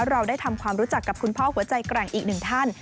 เราได้ทำความรู้จักกับคุณพ่อหัวใจแกร่งอีกหนึ่งท่าน